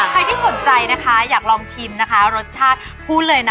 ใครที่สนใจนะคะอยากลองชิมนะคะรสชาติพูดเลยนะ